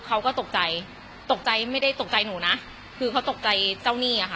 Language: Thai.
เขาก็ตกใจตกใจไม่ได้ตกใจหนูนะคือเขาตกใจเจ้าหนี้อ่ะค่ะ